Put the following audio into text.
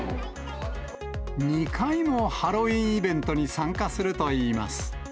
２回もハロウィーンイベントに参加するといいます。